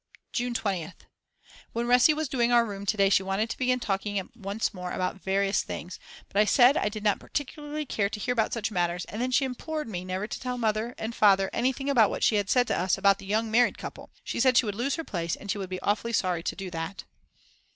June 20th. When Resi was doing our room to day she wanted to begin talking once more about various things, but I said I did not particularly care to hear about such matters, and then she implored me never to tell Mother and Father anything about what she had said to us about the young married couple; she said she would lose her place and she would be awfully sorry to do that.